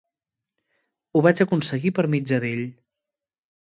Ho vaig aconseguir per mitjà d'ell.